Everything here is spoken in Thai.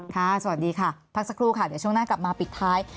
สวัสดีค่ะพักสักครู่ค่ะเดี๋ยวช่วงหน้ากลับมาปิดท้าย